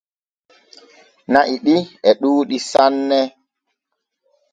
Na’i ɗi e ɗuuɗɗi sanne.